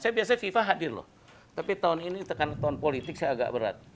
saya biasanya fifa hadir loh tapi tahun ini tekanan tahun politik saya agak berat